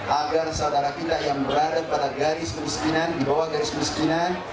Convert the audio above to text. agar saudara kita yang berada pada garis kemiskinan di bawah garis kemiskinan